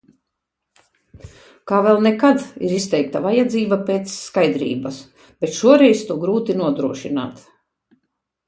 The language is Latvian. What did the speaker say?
Kā vēl nekad, ir izteikta vajadzība pēc skaidrības. Bet šoreiz to grūti nodrošināt.